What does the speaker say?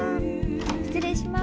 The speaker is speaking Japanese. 失礼します。